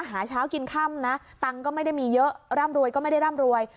หาเช้ากินค่ำนะตังค์ก็ไม่ได้มีเยอะร่ำรวยก็ไม่ได้ร่ำรวย